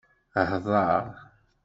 Hḍeṛ!